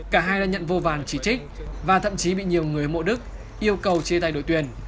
cả hai đã nhận vô vàn chỉ trích và thậm chí bị nhiều người mộ đức yêu cầu chia tay đội tuyển